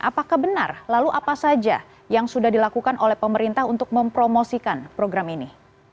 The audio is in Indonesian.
apakah benar lalu apa saja yang sudah dilakukan oleh pemerintah untuk mempromosikan program ini